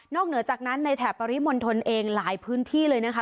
เหนือจากนั้นในแถบปริมณฑลเองหลายพื้นที่เลยนะคะ